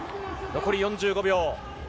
残り４５秒。